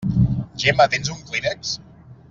Gemma, tens un clínex?